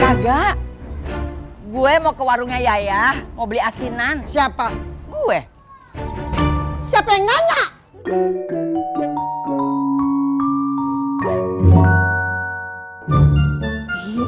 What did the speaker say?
jaga gue mau ke warungnya yaya mau beli asinan siapa gue siapa yang nanya